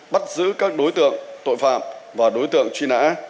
bắt giữ các đối tượng tội phạm và đối tượng truy nã